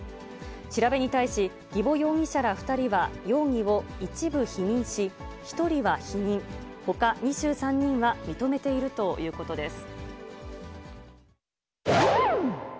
調べに対し、儀保容疑者ら２人は容疑を一部否認し、１人は否認、ほか２３人は認めているということです。